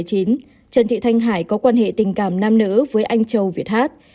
trần thị thanh hải có quan hệ tình cảm nam nữ với anh châu việt hát